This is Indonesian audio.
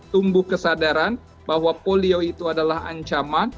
tumbuh kesadaran bahwa polio itu adalah ancaman